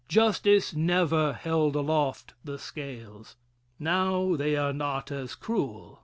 Justice never held aloft the scales. Now they are not as cruel.